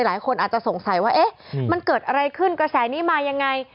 หลายคนอาจจะสงสัยว่าเอ๊ะมันเกิดอะไรขึ้นกระแสนี้มายังไง